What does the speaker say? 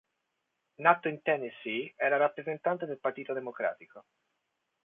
Nato in Tennessee, era rappresentante del Partito Democratico.